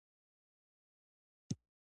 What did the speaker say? آیا افغانستان د تیلو زیرمې لري؟